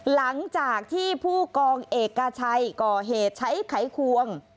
หลังจากที่ผู้กองเอกกาชัยก่อเหตุใช้ไขควง